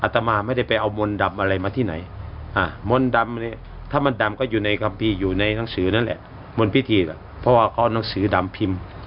ถ้ามันดำก็อยู่ในคำพี่อยู่ในหนังสือนั่นแหละบนพิธีเพราะว่าเขานังสือดำพิมพ์